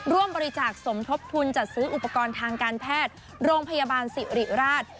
ร่วมบริจาคสมทบทุนจัดซื้ออุปกรณ์ทางการแพทย์โรงพยาบาลสิริราช